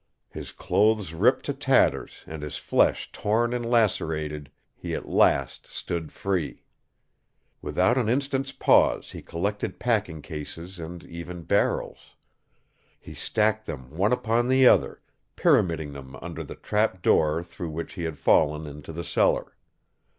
His clothes ripped to tatters and his flesh torn and lacerated, he at last stood free. Without an instant's pause he collected packing cases and even barrels. He stacked them one upon the other, pyramiding them under the trap door through which he had fallen into the cellar.